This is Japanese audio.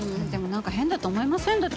でもなんか変だと思いません？